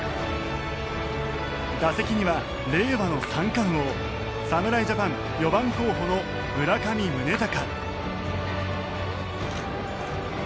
打席には令和の三冠王侍ジャパン４番候補の村上宗隆。